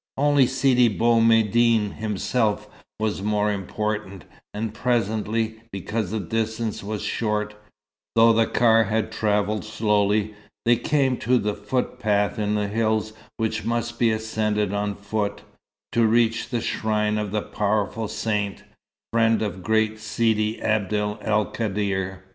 Only Sidi Bou Medine himself was more important; and presently (because the distance was short, though the car had travelled slowly) they came to the footpath in the hills which must be ascended on foot, to reach the shrine of the powerful saint, friend of great Sidi Abd el Kader.